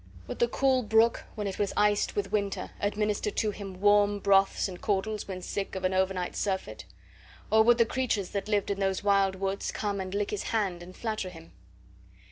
Would the cool brook, when it was iced with winter, administer to him his warm broths and caudles when sick of an overnight's surfeit? Or would the creatures that lived in those wild woods come and lick his hand and flatter him?